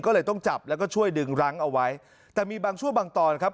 ก็เลยต้องจับแล้วก็ช่วยดึงรั้งเอาไว้แต่มีบางช่วงบางตอนครับ